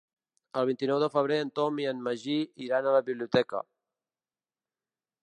El vint-i-nou de febrer en Tom i en Magí iran a la biblioteca.